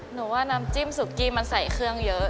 หนูว่าน้ำจิ้มสุกี้มันใส่เครื่องเยอะ